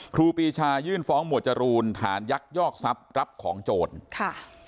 ครูปีชายื่นฟ้องหมวดจรูนฐานยักยอกทรัพย์รับของโจรค่ะ